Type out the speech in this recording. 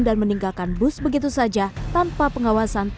dan meninggalkan bus begitu saja tanpa pengawasan